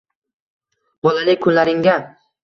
Bolalik kunlaringga